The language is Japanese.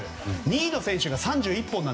２位の選手が３１本。